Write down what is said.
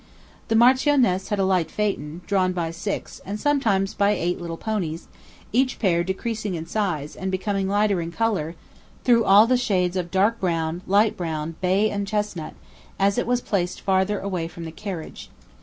The Marchioness had a light phaeton, drawn by six, and sometimes by eight little ponies, each pair decreasing in size, and becoming lighter in colour, through all the grades of dark brown, light brown, bay, and chestnut, as it was placed farther away from the carriage.